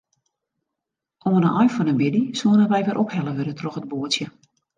Oan 'e ein fan 'e middei soene wy wer ophelle wurde troch it boatsje.